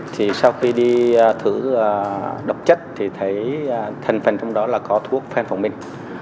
thì sau khi đi thử độc chất thì thấy thành phần trong đó là có thuốc benphortmin